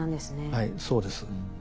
はいそうです。